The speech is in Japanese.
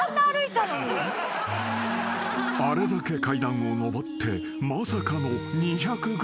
［あれだけ階段を上ってまさかの２００ｇ減］